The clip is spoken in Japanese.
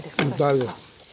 大丈夫。